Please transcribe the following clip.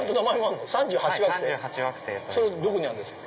それどこにあるんですか？